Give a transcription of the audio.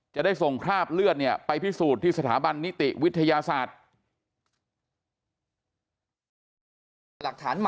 จะได้ส่งคราบเลือดเนี่ยไปพิสูจน์ที่สถาบันนิติวิทยาศาสตร์